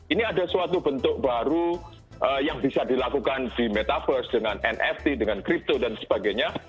ini ada suatu bentuk baru yang bisa dilakukan di metaverse dengan nft dengan kripto dan sebagainya